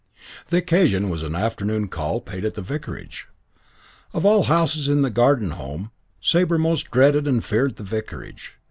The occasion was an afternoon call paid at the vicarage. Of all houses in the Garden Home Sabre most dreaded and feared the vicarage.